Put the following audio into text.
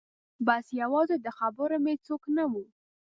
بس یوازې د خبرو مې څوک نه و